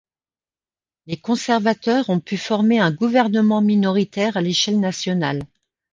Les conservateurs ont pu former un gouvernement minoritaire à l'échelle nationale.